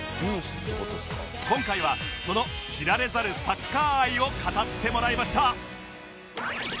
今回はその知られざるサッカー愛を語ってもらいました